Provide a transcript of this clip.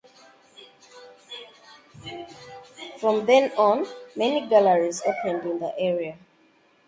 From then on, many galleries opened in the area.